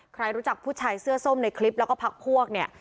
ใครรู้จักผู้ชายเสื้อส้มในคลิปแล้วก็พักพวกเนี่ย